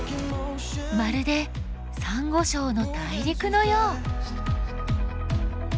まるでサンゴ礁の大陸のよう！